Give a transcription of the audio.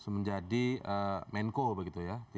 menjadi menko begitu ya